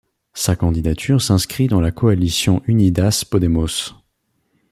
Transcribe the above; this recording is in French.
Sa candidature s’inscrit dans la coalition Unidas Podemos.